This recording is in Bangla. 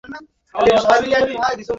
ছেলে হয়নি বলে তাদের আক্ষেপের সীমা ছিল না।